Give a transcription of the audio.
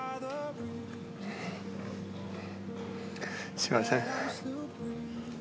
すみません。